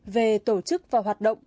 về tổ chức và hoạt động